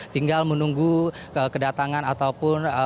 tinggal menunggu kedatangan ataupun